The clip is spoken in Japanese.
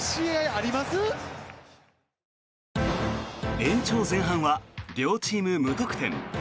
延長前半は両チーム無得点。